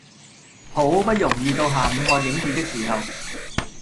好不容易到下午看影片的時候